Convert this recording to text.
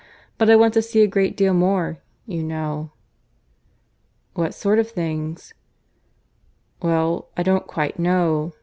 But I want to see a great deal more, you know." "What sort of things?" "Well, I don't quite know.